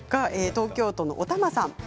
東京都の方からです。